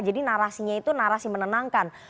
jadi narasinya itu narasi menenangkan